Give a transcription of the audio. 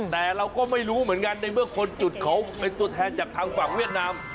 แต่เราก็ไม่รู้เหมือนกันในเมื่อคนจุดเขาเป็นตัวแทนจากทางฝั่งเวียดนาม